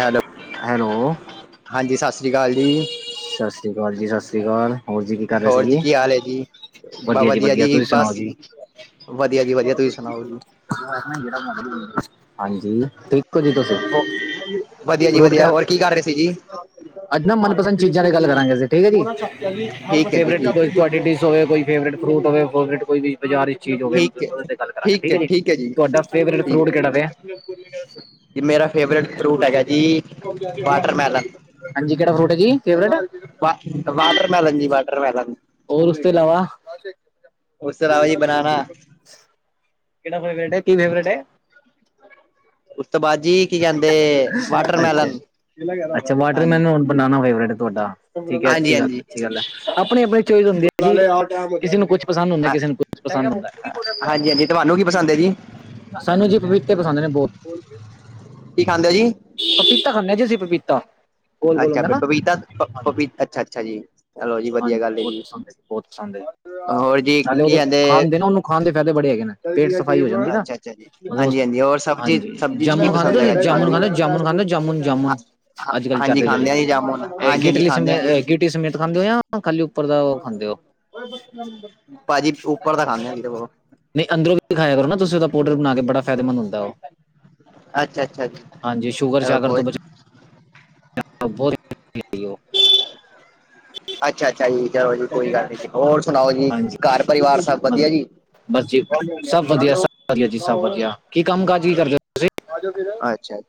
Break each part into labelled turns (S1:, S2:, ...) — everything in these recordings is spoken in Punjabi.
S1: Hello
S2: hello!
S1: ਹਾਂਜੀ ਸਤਿ ਸ਼੍ਰੀ ਅਕਾਲ ਜੀ।
S2: ਸਤਿ ਸ੍ਰੀ ਅਕਾਲ ਜੀ -ਸਤਿ ਸ਼੍ਰੀ ਅਕਾਲ ਹੋਰ ਜੀ ਕੀ ਕਰ ਰਹੇ
S1: ਹੋਰ ਜੀ
S2: ਸੀਗੇ?
S1: ਕੀ ਹਾਲ ਹੈ ਜੀ
S2: ਵਧੀਆ ਜੀ ਵਧੀਆ ਤੁਸੀਂ ਸੁਣਾਓ ਜੀ।
S1: ਵਧੀਆ ਜੀ ਵਧੀਆ ਤੁਸੀਂ ਸੁਣਾਓ ਜੀ
S2: ਹਾਂਜੀ ਜੀ ਤੁਸੀ।
S1: ਵਧੀਆ ਜੀ
S2: ਫਰੂਟ
S1: ਵਧੀਆ
S2: ਕਿਹੜਾ?
S1: ਹੋਰ ਕੀ ਕਰ ਰਹੇ ਸੀ ਜੀ
S2: ਅੱਜ ਮਨਪਸੰਦ ਚੀਜ਼ਾਂ ਦੀ ਗੱਲ ਕਰਾਂਗੇ ਅਸੀਂ ਠੀਕ ਹੈ ਜੀ
S1: ਠੀਕ ਹੈ ਜੀ
S2: ਫੇਵਰਿਟ
S1: ਠੀਕ ਹੈ
S2: ਤੁਹਾਡੀ ਡਿਸ ਹੋਏ ਕੋਈ। ਫੇਵਰਟ ਫਰੂਟ ਹੋਵੇ ਫੇਵਰਟ ਕੋਈ ਵੀ। ਬਾਜ਼ਾਰੀ ਚੀਜ਼ ਹੋਵੇ
S1: ਠੀਕ ਹੈ
S2: ਮਤਲਬ ਉਦੇ ਤੇ ਗੱਲ ਕਰਾਂਗੇ ਠੀਕ ਹੈ ਜੀ ਤੁਹਾਡਾ ਫੇ
S1: ਠੀਕ ਹੈ
S2: ਫਰੂਟ ਕਿਹੜਾ ਪੇ?
S1: ਜੀ ਮੇਰਾ ਫੇਵਰਟ ਫਰੂਟ ਹੈਗਾ ਜੀ ਵਾਟਰਮੈਲਨ।
S2: ਹਾਂਜੀ ਕਿਹੜਾ ਫਰੂਟ ਜੀ ਫੇਵਰਟ?
S1: ਵਾਟਰਮੈਲਨ ਜੀ ਵਾਟਰਮੈਲਨ।
S2: ਹੋਰ ਉਸ ਤੋਂ ਇਲਾਵਾ!
S1: ਉਸ ਤੋਂ ਇਲਾਵਾ ਜੀ ਬਨਾਨਾ।
S2: ਕਿਹੜਾ ਫੇਵਰਟ ਹੈ ਕੀ ਫੇਵਰੇਟ ਏ?
S1: ਉਸ ਤੋਂ ਬਾਅਦ ਜੀ। ਕੀ ਕਹਿੰਦੇ
S2: ਅੱਛਾ
S1: ਵਾਟਰਮੈਲਨ
S2: -ਅੱਛਾ
S1: ਹਾਂਜੀ
S2: ਵਾਟਰਮੈਨ, ਬਨਾਨਾ ਫੇਵਰੇਟ ਤੁਹਾਡਾ, ਠੀਕ ਹੈ
S1: ਹਾਂਜੀ
S2: ਅੱਛੀ ਗੱਲ,
S1: ਹਾਂਜੀ
S2: ਅੱਛੀ ਗੱਲ ਏ। ਆਪਣੀ- ਆਪਣੀ ਚੋਇਸ ਹੁੰਦੀ, ਕਿਸੇ ਨੂੰ ਕੁਛ। ਪਸੰਦ ਹੁੰਦਾ ਕਿਸੇ ਨੂੰ ਕੁਝ ਪਸੰਦ ਹੁੰਦਾ।
S1: ਹਾਂਜੀ ਹਾਂਜੀ ਤੁਹਾਨੂੰ ਕੀ ਪਸੰਦ ਹੈ ਜੀ
S2: ਸਾਨੂੰ ਜੀ ਪਪੀਤੇ ਪਸੰਦ ਨੇ ਬਹੁਤ।
S1: ਕੀ ਖਾਂਦੇ ਜੀ?
S2: ਪਪੀਤਾ ਖਾਂਦੇ ਜੀ ਅਸੀਂ ਪਪੀਤਾ। ਗੋਲ ਗੋਲ
S1: ਅੱਛਾ
S2: ਹੁੰਦਾ ਨਾ
S1: ਪਪੀਤਾ ਅੱਛਾ- ਅੱਛਾ ਜੀ। ਚਲੋ ਜੀ ਵਧੀਆ
S2: ਹਾਂਜੀ
S1: ਗੱਲ
S2: ਬਹੁਤ ਪਸੰਦ ਹੈ ਜੀ ਬਹੁਤ ਪਸੰਦ ਹੈ ਜੀ,
S1: ਹੋਰ ਜੀ
S2: ਨਾਲੇ
S1: ਕੀ
S2: ਉਹ
S1: ਕਹਿੰਦੇ
S2: ਖਾਂਦੇ ਨਾ ਉਹਨੂੰ। ਖਾਣ ਦੇ ਫਾਇਦੇ ਬੜੇ ਹੈਗੇ ਨੇ ਪੇਟ ਸਾ। ਜਾਂ
S1: ਅੱਛਾ ਅੱਛਾ ਜੀ ਹਾਂਜੀ ਹਾਂਜੀ ਹੋਰ ਸਬਜ਼ੀ
S2: ਹਾਂਜੀ
S1: ਸਬਜ਼ੀ ਚ ਕੀ
S2: ਜਾਮੁਨ ਖਾਂਦੇ
S1: ਪਸੰਦ
S2: ਤੁਸੀਂ
S1: ਹੈਗਾ ਜੀ
S2: ਜਾਮੁਨ
S1: ਤੁਹਾਨੂੰ
S2: ਖਾਂਦੇ ਜਾਮੁਨ ਖਾਂਦੇ ਜਾਮੁਨ
S1: ਹਾਂ
S2: ਜਾਮੁਨ। ਅੱਜ ਕੱਲ
S1: ਹਾਂਜੀ
S2: ਚੱਲਦੇ ਜਿਹੜੇ,
S1: ਖਾਂਦੇ ਆ ਜੀ ਜਾਮੁਨ ਹਾਂਜੀ ਹਾਂਜੀ
S2: ਗਿੱਟਲੀ
S1: ਖਾਂਦੇ ਆ
S2: ਸਮੇਤ,
S1: ਜੀ
S2: ਗਿੱਟਲੀ ਸਮੇਤ, ਖਾਂਦੇ ਹੋ ਜਾਂ ਖਾਲੀ ਉੱਪਰ ਦਾ ਉਹ ਖਾਂਦੇ ਹੋ?
S1: ਭਾਜੀ ਉੱਪਰ ਦਾ ਖਾਂਦੇ ਆ ਜੀ ਦੇਖੋ
S2: ਨਹੀਂ ਅੰਦਰੋਂ। ਖਾਇਆ ਕਰੋ ਨਾ ਤੁਸੀਂ ਉਹਦਾ ਪਾਊਡਰ ਬਣਾ ਕੇ ਬੜਾ ਫਾਇਦੇਮੰਦ ਹੁੰਦਾ ਉਹ।
S1: ਅੱਛਾ ਅੱਛਾ ਜੀ
S2: ਹਾਂਜੀ ਸ਼ੂਗਰ-
S1: ਚਲੋ
S2: ਸ਼ਾਗਰ ਤੋਂ
S1: ਕੋਈ
S2: ਬਚਾ। ਬਹੁਤ।
S1: ਅੱਛਾ- ਅੱਛਾ ਜੀ ਚਲੋ ਜੀ ਕੋਈ ਗੱਲ ਨੀ ਜੀ ਹੋਰ ਸੁਣਾਓ ਜੀ
S2: ਹਾਂਜੀ
S1: ਘਰ ਪਰਿਵਾਰ ਸਭ
S2: ਬਸ
S1: ਵਧੀਆ ਜੀ।
S2: ਬਸ ਜੀ ਸਭ ਵਧੀਆ ਸਭ ਵਧੀਆ ਜੀ ਸਭ ਵਧੀਆ ਕੀ ਕੰਮ ਕਾਜ ਕੀ ਕਰਦੇ?
S1: ਅੱਛਾ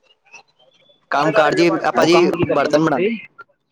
S1: ਕੰਮ ਕਾਰ ਜੀ ਆਪਾਂ ਜੀ
S2: ਕੰਮ ਕੀ ਕਰਦੇ ਹੋ
S1: ਬਰਤਨ
S2: ਤੁਸੀਂ?
S1: ਬਣਾਉਂਦੇ